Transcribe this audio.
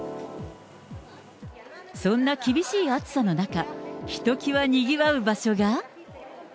そんな厳しい暑さの中、ひときわにぎわう場所が。